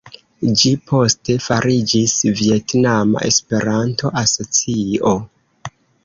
Ĝi poste fariĝis Vjetnama Esperanto-Asocio.